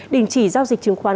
đình chỉ giao dịch trừng khoán